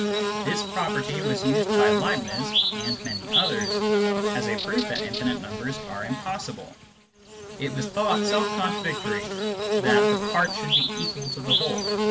This property was used by Leibniz (and many others) as a proof that infinite numbers are impossible ; it was thought self contradictory that Infinite Cardinal Numbers 81 " the part should be equal to the whole."